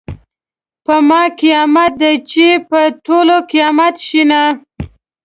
په ما قیامت ده چې په ټولو قیامت شینه .